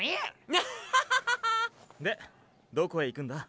ワッハハハハ！でどこへ行くんだ？